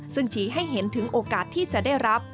ซึ่งชี้ให้เห็นถึงโอกาสที่จะได้รับ